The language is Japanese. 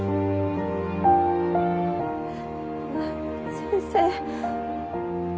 先生。